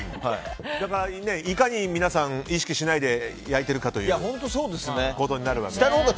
だから、いかに皆さん意識しないで焼いているかということになるわけですが。